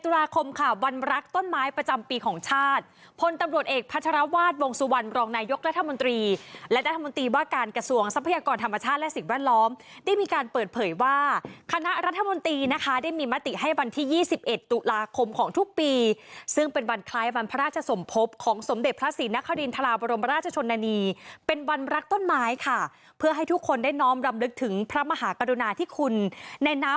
และรัฐมนตรีว่าการกระทรวงทรัพยากรธรรมชาติและสิ่งแวดล้อมได้มีการเปิดเผยว่าคณะรัฐมนตรีนะคะได้มีมาติให้วันที่๒๑ตุลาคมของทุกปีซึ่งเป็นวันคล้ายวันพระราชสมภพของสมเด็จพระศรีนครีนทราวรมราชชนนานีเป็นวันรักต้นไม้ค่ะเพื่อให้ทุกคนได้น้อมรำลึกถึงพระมหากรุณาที่คุณในน้